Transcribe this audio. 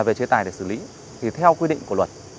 về chế tài để xử lý thì theo quy định của luật